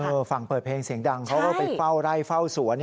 ฝั่งเปิดเพลงเสียงดังเขาก็ไปเฝ้าไร่เฝ้าสวน